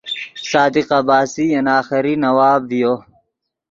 صادق عباسی ین آخری نواب ڤیو